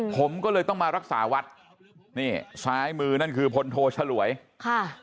ผมก็เลยต้องมารักษาวัดนี่ซ้ายมือนั่นคือพลโทฉลวยค่ะ